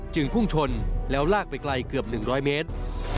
พุ่งชนแล้วลากไปไกลเกือบ๑๐๐เมตร